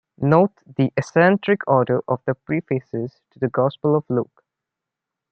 Note the eccentric order of the prefaces to the Gospel of Luke.